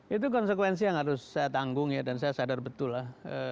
itu konsekuensi yang harus saya tanggung ya dan saya sadar betul lah